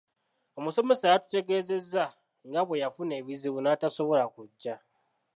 Omusomesa yatutegeeza nga bweyafuna ebizibu n'atasobola kujja.